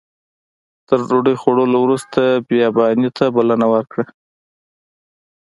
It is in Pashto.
تر ډوډۍ خوړلو وروسته بیاباني ته بلنه ورکړه.